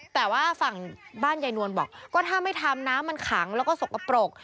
แต่ว่าฝั่งบ้านยายนวลบอกก็ถ้าไม่ทำน้ำมันขังแล้วก็สกปรก